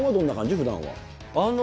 ふだんは。